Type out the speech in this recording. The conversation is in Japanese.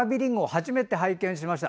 初めて拝見しました。